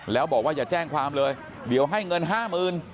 แล้วบอกว่าอย่าแจ้งความเลยเดี๋ยวให้เงินห้าหมื่น